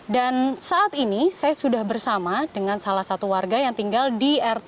dan saat ini saya sudah bersama dengan salah satu warga yang tinggal di rt tiga ratus enam